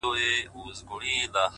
په ځان کي ننوتم «هو» ته چي سجده وکړه _